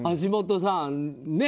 橋下さん